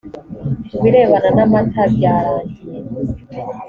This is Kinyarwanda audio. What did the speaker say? ku birebana n amata byarangiye